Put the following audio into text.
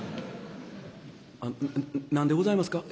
「あ何でございますか？」。